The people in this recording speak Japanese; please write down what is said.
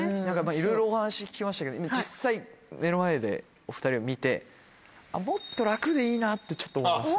いろいろお話聞きましたけど実際目の前でお２人を見て。ってちょっと思いました。